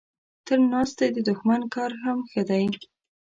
تر ناستي د دښمن کار هم ښه دی.